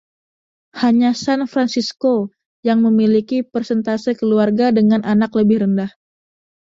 Hanya San Francisco yang memiliki persentase keluarga dengan anak lebih rendah.